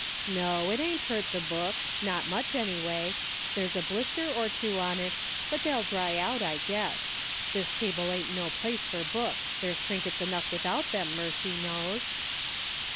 No, it ain't hurt the book ; not much, any way. There's a blister or two on it, but they'll dry out, I guess. This table ain't no place for books ; there's trinkets enough without them, mercy knows."